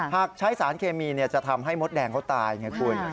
หากใช้สารเคมีจะทำให้มดแดงเขาตายไงคุณ